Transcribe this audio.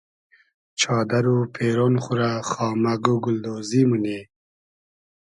چادئر و پېرۉن خو رۂ خامئگ و گولدۉزی مونی